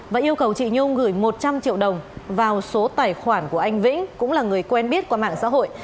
và yêu cầu chị nhung gửi một trăm linh triệu đồng vào số tài khoản của anh vĩnh cũng là người quen biết qua mạng xã hội